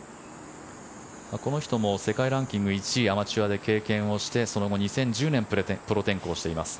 この人も世界ランキング１位アマチュアで経験してその後、２０１０年にプロ転向しています。